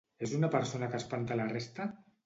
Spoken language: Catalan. És una persona que espanta la resta?